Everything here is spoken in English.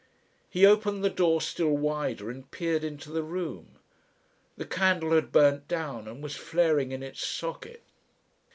He opened the door still wider and peered into the room. The candle had burnt down and was flaring in its socket.